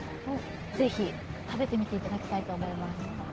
ぜひ食べてみていただきたいと思います